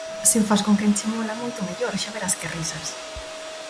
Se o fas con quen che mola moito mellor, xa verás que risas.